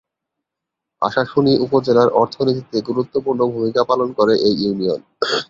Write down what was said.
আশাশুনি উপজেলার অর্থনীতিতে গুরুত্বপূর্ণ ভূমিকা পালন করে এই ইউনিয়ন।